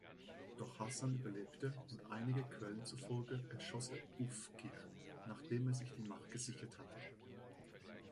Doch Hassan überlebte, und einigen Quellen zufolge erschoss er Oufkir, nachdem er sich die Macht gesichert hatte.